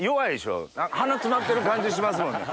鼻詰まってる感じしますもんね。